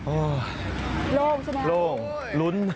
โอ้โหโล่งใช่ไหมโล่งลุ้น